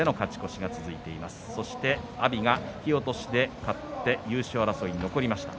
阿炎、引き落としで勝って優勝争いに残りました。